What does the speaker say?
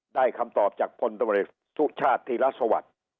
ได้คำตอบจากผลตำรวจสุขชาติที่รัฐสวรรค์